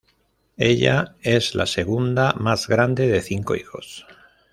Ella es la segunda más grande de cinco hijos.